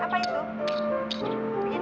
yuk yuk yuk